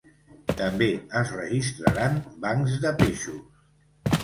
També es registraran bancs de peixos.